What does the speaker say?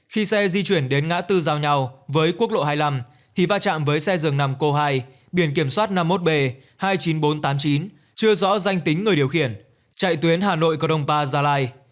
khi xe di chuyển đến ngã tư giao nhau với quốc lộ hai mươi năm thì va chạm với xe dường nằm cô hai biển kiểm soát năm mươi một b hai mươi chín nghìn bốn trăm tám mươi chín chưa rõ danh tính người điều khiển chạy tuyến hà nội cờ đông ba gia lai